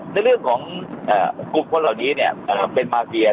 ในเรื่องของเอ่อกลุ่มคนเหล่านี้เนี้ยเอ่อเป็นมาเกียร์